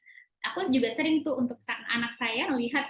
saya juga sering melihat untuk anak saya